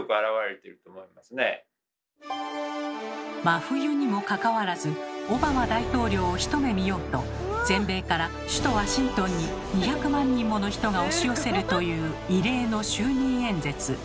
真冬にもかかわらずオバマ大統領を一目見ようと全米から首都ワシントンに２００万人もの人が押し寄せるという異例の就任演説。